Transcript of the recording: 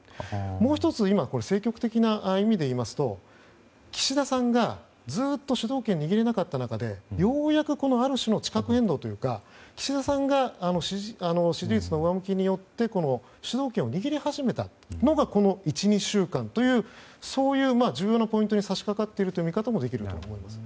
もう１つ、今政局的な意味でいいますと岸田さんがずっと主導権を握れなかった中でようやくある種の地殻変動というか岸田さんが支持率の上向きによって主導権を握り始めたのでこの１２週間というそういう重要なポイントに差し掛かっているという見方もできると思います。